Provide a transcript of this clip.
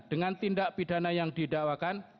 dengan tindak pidana yang didakwakan